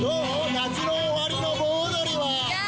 夏の終わりの盆踊りは。